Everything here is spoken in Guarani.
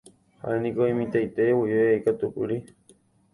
Ha'éniko imitãite guive ikatupyry.